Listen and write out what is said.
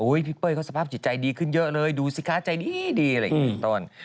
พี่เป้ยเขาสภาพจิตใจดีขึ้นเยอะเลยดูสิคะใจดีอะไรอย่างนี้เป็นต้น